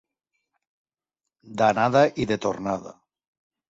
D'anada i de tornada.